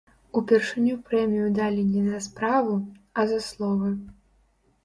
Упершыню прэмію далі не за справу, а за словы.